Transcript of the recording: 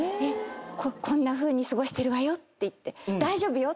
こんなふうに過ごしてるわよって言って。